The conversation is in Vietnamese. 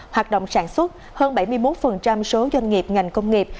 hoạt động sản xuất hơn bảy mươi một số doanh nghiệp ngành công nghiệp